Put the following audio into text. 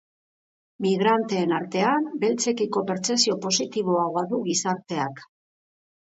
Migranteen artean, beltzekiko pertzepzio positiboagoa du gizarteak.